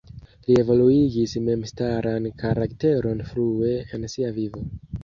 Li evoluigis memstaran karakteron frue en sia vivo.